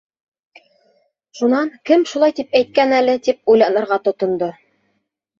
Шунан кем шулай тип әйткән әле, тип уйланырға тотондо.